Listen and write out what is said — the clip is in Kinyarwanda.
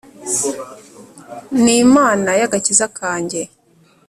ni Imana y agakiza kanjye